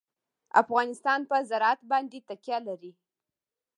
افغانستان په زراعت باندې تکیه لري.